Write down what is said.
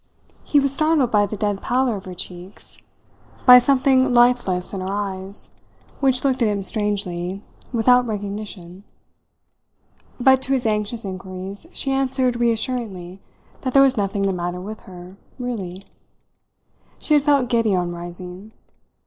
He was startled by the dead pallor of her cheeks, by something lifeless in her eyes, which looked at him strangely, without recognition. But to his anxious inquiries she answered reassuringly that there was nothing the matter with her, really. She had felt giddy on rising.